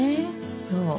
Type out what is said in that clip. そう。